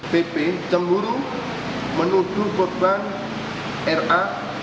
pp cemburu menuduh korban ra